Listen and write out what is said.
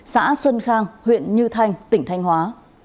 xã xuân khang huyện như thanh tỉnh thanh hóa